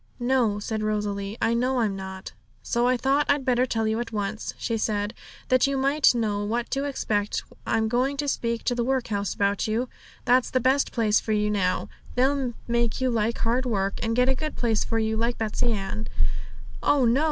'No,' said Rosalie; 'I know I'm not.' 'So I thought I'd better tell you at once,' she said,'that you might know what to expect. I'm going to speak to the workhouse about you that's the best place for you now; they'll make you like hard work, and get a good place for you, like Betsey Ann.' 'Oh no!'